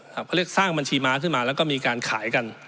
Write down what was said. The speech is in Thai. เขาเรียกสร้างบัญชีม้าขึ้นมาแล้วก็มีการขายกัน